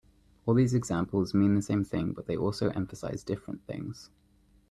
All these examples mean the same thing but they also emphasize different things.